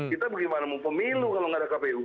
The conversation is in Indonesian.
kita bagaimana mempemilu kalau nggak ada kpu